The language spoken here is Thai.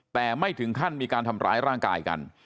แต่ไม่ถึงขั้นมีการทำร้ายร่างกายกัน